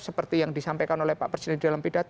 seperti yang disampaikan oleh pak presiden dalam pidato